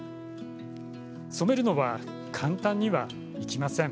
染めるのは簡単にはいきません。